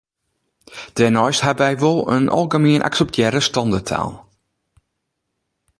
Dêrneist ha wy wol in algemien akseptearre standerttaal.